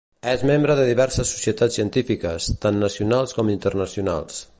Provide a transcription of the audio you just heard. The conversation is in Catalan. És membre de diverses societats científiques, tant nacionals com internacionals.